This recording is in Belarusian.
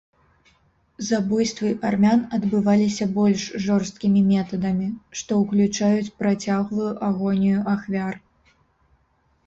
Забойствы армян адбываліся больш жорсткімі метадамі, што ўключаюць працяглую агонію ахвяр.